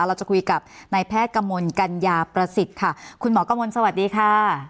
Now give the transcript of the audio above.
เราจะคุยกับนายแพทย์กระมวลกัญญาประสิทธิ์ค่ะคุณหมอกระมวลสวัสดีค่ะ